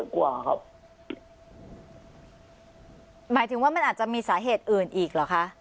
เยอะกว่าครับหมายถึงว่ามันอาจจะมีสาเหตุอื่นอีกหรอค่ะ